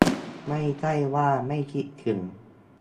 ไม่ใช่ว่าไม่คิดถึง